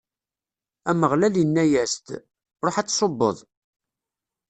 Ameɣlal inna-as-d: Ṛuḥ ad tṣubbeḍ!